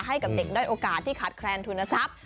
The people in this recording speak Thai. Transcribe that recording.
ให้กับเด็กด้อยโอกาสที่ขาดแคลนทุนทรัพย์